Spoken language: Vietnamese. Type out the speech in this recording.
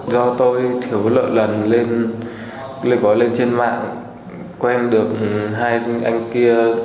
do tôi thiếu lợi lần lên gói lên trên mạng quen được hai anh kia